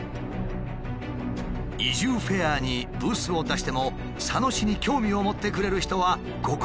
移住フェアにブースを出しても佐野市に興味を持ってくれる人はごく僅かだったという。